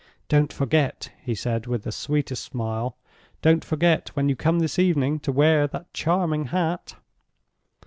"Don't forget," he said, with the sweetest smile; "don't forget, when you come this evening, to wear that charming hat!"